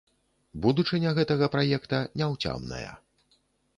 Будучыня гэтага праекта няўцямная.